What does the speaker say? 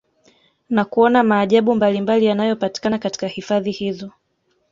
Na kuona maajabu mbalimbali yanayopatikana katika hifadhi hizo